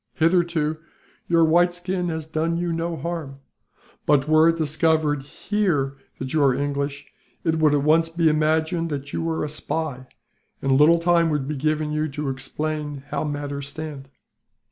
Hitherto your white skin has done you no harm but, were it discovered here that you are English, it would at once be imagined that you were a spy, and little time would be given you to explain how matters stand."